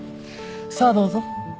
さあどうぞ。